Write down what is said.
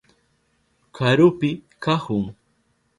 Karupi kahun.